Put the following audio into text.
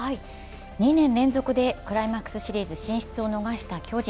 ２年連続でクライマックスシリーズ進出を逃した巨人。